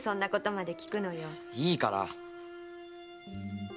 いいから。